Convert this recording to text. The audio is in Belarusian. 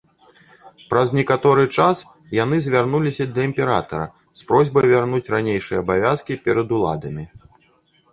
Праз некаторы час яны звярнуліся да імператара з просьбай вярнуць ранейшыя абавязкі перад уладамі.